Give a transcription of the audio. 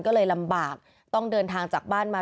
ก็เลยลำบากต้องเดินทางจากบ้านมา